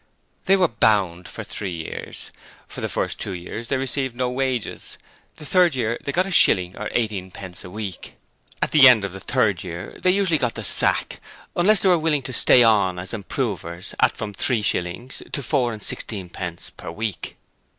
They were 'bound' for three years. For the first two years they received no wages: the third year they got a shilling or eightpence a week. At the end of the third year they usually got the sack, unless they were willing to stay on as improvers at from three shillings to four and sixpence per week.